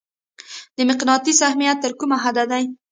د مقناطیس اهمیت تر کومه حده دی؟